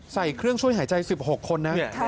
ใส่เครื่องช่วยหายใจ๑๖คนนะ